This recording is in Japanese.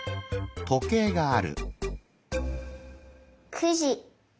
９じ。